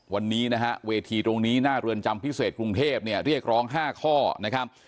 วันนี้นะฮะเวทีตรงนี้หน้าเรือนจำพิเศษกรุงเทพเนี่ยเรียกร้อง๕ข้อนะครับ